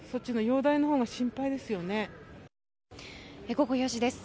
午後４時です。